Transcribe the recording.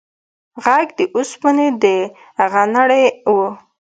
غږ د اوسپنې د غنړې و.